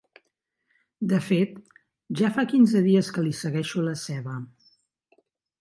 De fet, ja fa quinze dies que li segueixo la ceba.